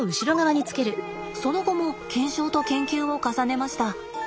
その後も検証と研究を重ねました。